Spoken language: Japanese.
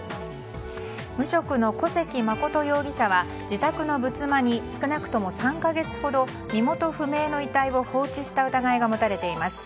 無職の小関誠容疑者は自宅の仏間に少なくとも３か月ほど身元不明の遺体を放置した疑いが持たれています。